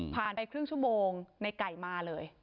ไปครึ่งชั่วโมงในไก่มาเลย